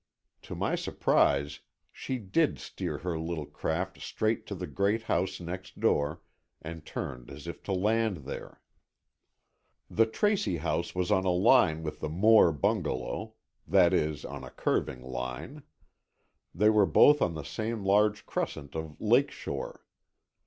To my surprise she did steer her little craft straight to the great house next door, and turned as if to land there. The Tracy house was on a line with the Moore bungalow, that is, on a curving line. They were both on the same large crescent of lake shore.